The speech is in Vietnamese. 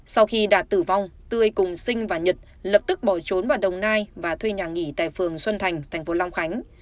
sau khi đạt tử vong tươi cùng sinh và nhật lập tức bỏ trốn vào đồng nai và thuê nhà nghỉ tại phường xuân thành thành phố long khánh